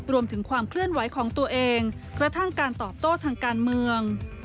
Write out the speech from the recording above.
รวมถึงความเคลื่อนไหวของตัวเองกระทั่งการตอบโต้ทางการเมือง